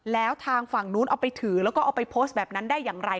แล้วทางฝั่งนู้นเอาไปถือแล้วก็เอาไปโพสต์แบบนั้นได้อย่างไร